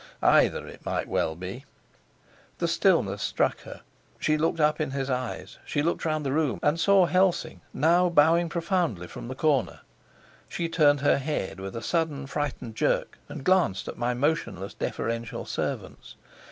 Either it might well be. The stillness struck her. She looked up in his eyes; she looked round the room and saw Helsing, now bowing profoundly from the corner; she turned her head with a sudden frightened jerk, and glanced at my motionless deferential servants.